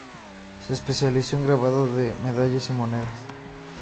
Se especializó en grabado de medallas y monedas.